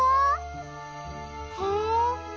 へえ。